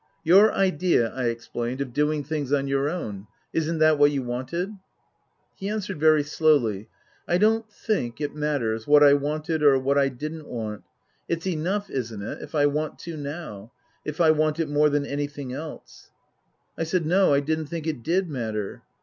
" Your idea," I explained, " of doing things on your own. Isn't that what you wanted ?" He answerad very slowly : "I don't think it matters what I wanted or what I didn't want. It's enough isn't it ? if I want to now if I want it more than any thing else ?" I said, No, I didn't think it did matter.